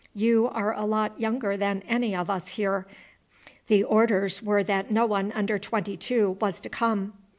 You are a lot younger than any of us here. The orders were that no one under twenty two was to come."